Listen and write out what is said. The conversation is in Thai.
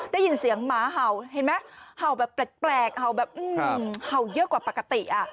ได้ยินเสียงหมาเห่าเห็นไหมเห่าแบบแปลกเห่าแบบเห่าเยอะกว่าปกติ